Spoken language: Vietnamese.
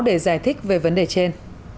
để giải thích về vấn đề trên